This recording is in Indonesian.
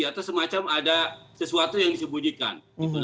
atau semacam ada sesuatu yang disembunyikan